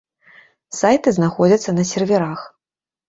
Сайты знаходзяцца на серверах.